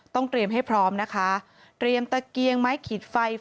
เตรียมให้พร้อมนะคะเตรียมตะเกียงไม้ขีดไฟ